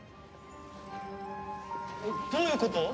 えっ？どういうこと？